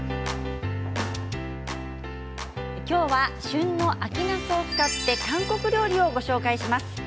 今日は旬の秋なすを使って韓国料理をご紹介します。